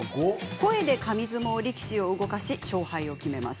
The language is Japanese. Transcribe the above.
声で紙相撲力士を動かし勝敗を決めます。